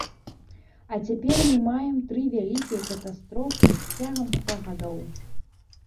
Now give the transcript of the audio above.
А цяпер мы маем тры вялікія катастрофы цягам ста гадоў.